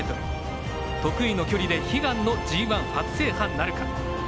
得意の距離で悲願のＧＩ初制覇なるか。